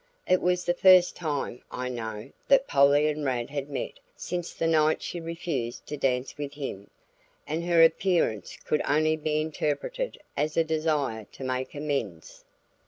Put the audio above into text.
It was the first time, I know, that Polly and Rad had met since the night she refused to dance with him; and her appearance could only be interpreted as a desire to make amends.